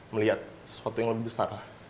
melihat sesuatu yang lebih besar